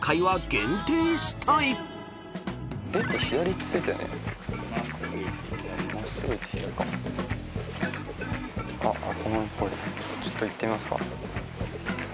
ちょっといってみますか。